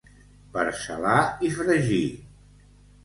Per salar i fregir.